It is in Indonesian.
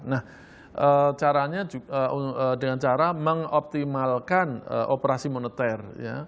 nah caranya dengan cara mengoptimalkan operasi moneter